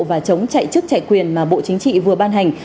và chống chạy chức chạy quyền mà bộ chính trị vừa ban hành